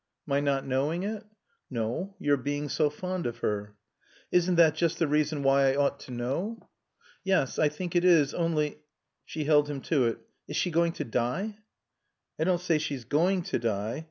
"My not knowing it?" "No. Your being so fond of her." "Isn't that just the reason why I ought to know?" "Yes. I think it is. Only " She held him to it. "Is she going to die?" "I don't say she's going to die.